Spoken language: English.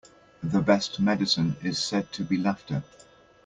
The best medicine is said to be laughter.